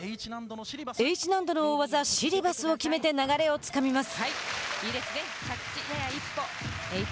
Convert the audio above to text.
Ｈ難度の大技シリバスを決めて流れをつかみます。